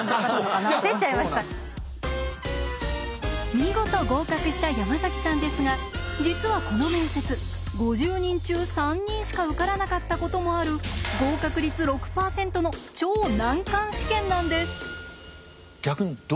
見事合格した山崎さんですが実はこの面接５０人中３人しか受からなかったこともある合格率６％の超難関試験なんです。